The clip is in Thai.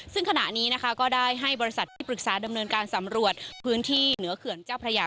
ซึ่งขณะนี้นะคะก็ได้ให้บริษัทที่ปรึกษาดำเนินการสำรวจพื้นที่เหนือเขื่อนเจ้าพระยา